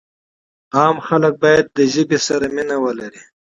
عامه خلک باید له ژبې سره مینه ولري.